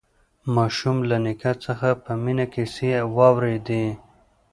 ماشوم له نیکه څخه په مینه کیسې واورېدې